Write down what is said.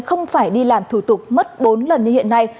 không phải đi làm thủ tục mất bốn lần như hiện nay